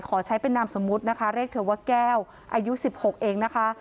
ขอใช้เป็นนามสมมุตินะคะเรียกเธอว่าแก้วอายุ๑๖เองนะคะ